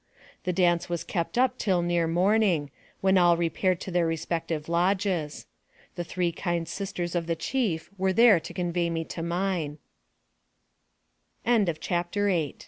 The dance was kept up until near morning, when all repaired to their respective lodges. The three kind sisters of the chief were there to convey